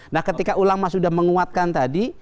nah ketika ulama sudah menguatkan tadi